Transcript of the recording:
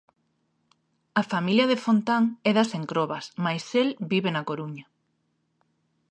A familia de Fontán é das Encrobas, mais el vive na Coruña.